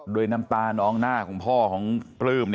น้ำตานองหน้าของพ่อของปลื้ม